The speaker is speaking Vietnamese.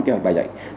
cái bài dạy